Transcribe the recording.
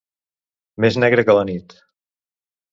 Més negre que la nit.